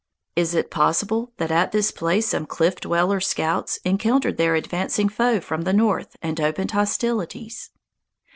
Is it possible that at this place some Cliff Dweller scouts encountered their advancing foe from the north and opened hostilities?